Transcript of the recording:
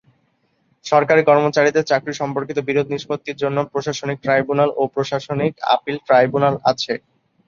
সরকারি কর্মচারীদের চাকুরি সম্পর্কিত বিরোধ নিষ্পত্তির জন্য প্রশাসনিক ট্রাইব্যুনাল ও প্রশাসনিক আপিল ট্রাইব্যুনাল আছে।